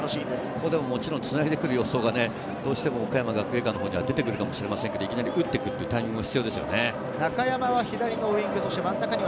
ここでももちろんつないでくる予想がどうしても岡山学芸館のほうには出てくるかもしれませんが、いきなり打ってくるというタイミングも必要ですね。